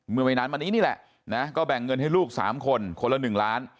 ไม่นานมานี้นี่แหละนะก็แบ่งเงินให้ลูก๓คนคนละ๑ล้าน